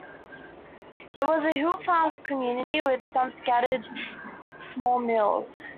It was a "hill farm" community with some scattered small mills.